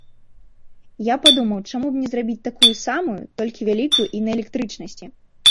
Я падумаў, чаму б не зрабіць такую самую толькі вялікую і на электрычнасці?